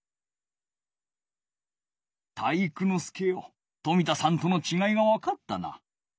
体育ノ介よ冨田さんとのちがいがわかったな。